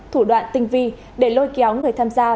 thủ đoạn tinh vi để lôi kéo người tham gia